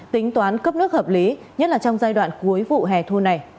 tính toán cấp nước hợp lý nhất là trong giai đoạn cuối vụ hè thu này